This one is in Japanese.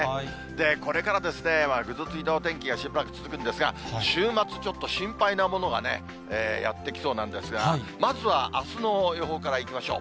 これからですね、ぐずついたお天気がしばらく続くんですが、週末、ちょっと心配なものがね、やって来そうなんですが、まずはあすの予報からいきましょう。